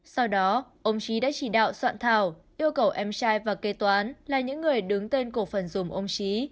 sau đó ông trí đã chỉ đạo soạn thảo yêu cầu em trai và kê toán là những người đứng tên cổ phần dùng ông trí